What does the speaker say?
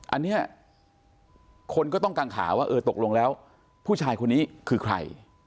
อันนี้คนก็ต้องกังขาว่าเออตกลงแล้วผู้ชายคนนี้คือใคร